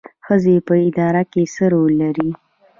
ښځې په اداره کې څه رول لري؟